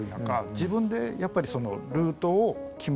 自分でやっぱりそのルートを決めれる。